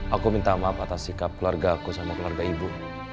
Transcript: aku minta maaf atas sikap keluarga aku sama keluarga ibu